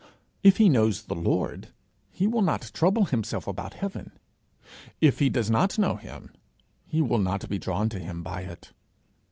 If he knows the Lord, he will not trouble himself about heaven; if he does not know him, he will not be drawn to him by it.